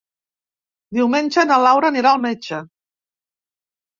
Diumenge na Laura anirà al metge.